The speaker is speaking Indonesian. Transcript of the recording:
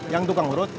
yang tukang lurus